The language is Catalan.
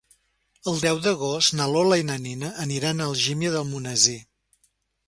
El deu d'agost na Lola i na Nina aniran a Algímia d'Almonesir.